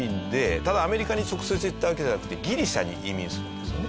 ただアメリカに直接行ったわけじゃなくてギリシャに移民するんですよね。